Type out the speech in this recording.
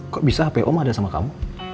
kok bisa hp om ada sama kamu